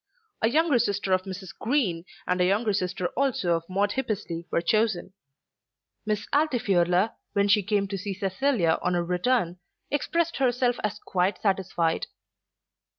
A younger sister of Mrs. Green and a younger sister also of Maude Hippesley were chosen. Miss Altifiorla, when she came to see Cecilia on her return, expressed herself as quite satisfied.